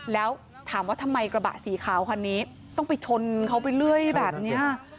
แล้วถามว่าทำไมกระบะสีขาวคันนี้ต้องไปชนเขาไปเรื่อยแบบนี้